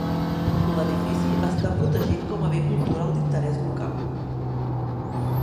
L'edifici està protegit com a bé cultural d'interès local.